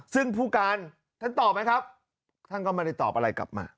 ซึ่งผู้การท่านตอบไหมครับท่านก็ไม่ได้ตอบอะไรกลับมา